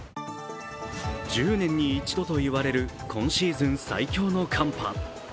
１０年に一度といわれる今シーズン最強の寒波。